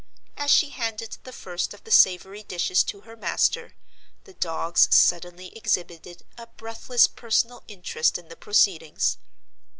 As she handed the first of the savory dishes to her master, the dogs suddenly exhibited a breathless personal interest in the proceedings.